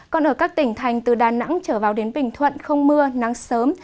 còn ở các tỉnh thành từ đà nẵng trở vào đến bình thuận không mưa nắng sớm